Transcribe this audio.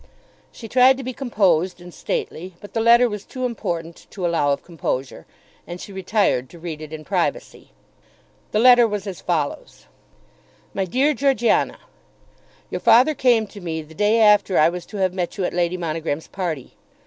She tried to be composed and stately, but the letter was too important to allow of composure, and she retired to read it in privacy. The letter was as follows: MY DEAR GEORGIANA, Your father came to me the day after I was to have met you at Lady Monogram's party.